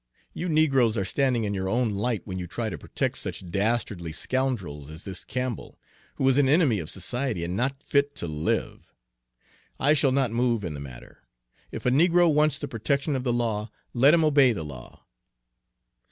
You negroes are standing in your own light when you try to protect such dastardly scoundrels as this Campbell, who is an enemy of society and not fit to live. I shall not move in the matter. If a negro wants the protection of the law, let him obey the law.'